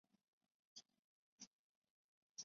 酮糖经反应得到少两个碳的糖。